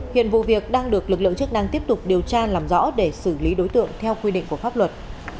hiện vụ việc đang được lực lượng chức năng tiếp tục điều tra làm rõ để xử lý đối tượng theo quy định của pháp luật